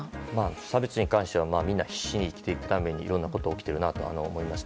差別に関してはみんな必死に生きていくためにいろんなことが起きているなと思いました。